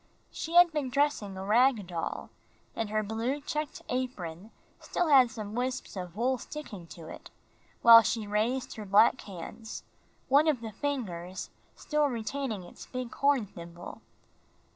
She had been dressing a rag doll, and her blue checked apron still had some wisps of wool sticking to it, while she raised her black hands, one of the fingers still retaining its big horn thimble.